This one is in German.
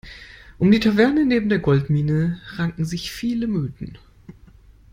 Um die Taverne neben der Goldmine ranken sich viele Mythen.